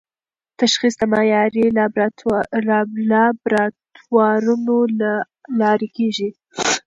تشخیص د معیاري لابراتوارونو له لارې کېږي.